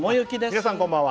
皆さん、こんばんは。